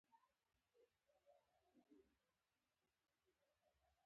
حبیب الله کلکاني په کال کې کابل ښار ته راننوت.